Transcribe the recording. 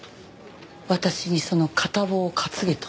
私にその片棒を担げと？